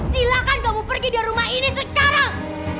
silahkan kamu pergi dari rumah ini sekarang